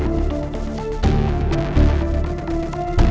itu aku pengen nasional